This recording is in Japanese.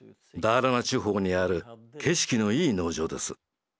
ダーラナ地方にある景色のいい農場です。